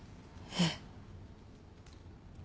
えっ。